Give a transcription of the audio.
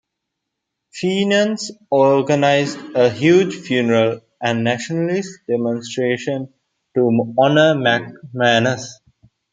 Fenians organized a huge funeral and nationalist demonstration to honor MacManus.